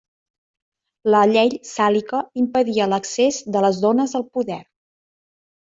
La Llei sàlica impedia l'accés de les dones al poder.